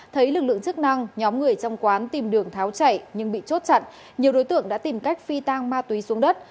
thấy lực lượng chức năng nhóm người trong quán tìm đường tháo chạy nhưng bị chốt chặn nhiều đối tượng đã tìm cách phi tang ma túy xuống đất